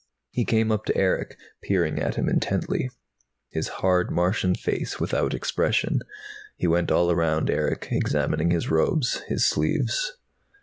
He came up to Erick, peering at him intently, his hard Martian face without expression. He went all around Erick, examining his robes, his sleeves.